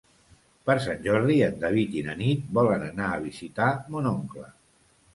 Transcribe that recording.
Per Sant Jordi en David i na Nit volen anar a visitar mon oncle.